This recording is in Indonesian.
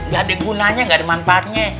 gak ada gunanya gak ada manfaatnya